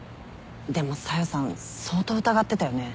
でも小夜さん相当疑ってたよね？